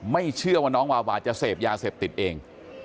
ไม่เชื่อว่าน้องวาวาจะเสพยาเสพติดเอง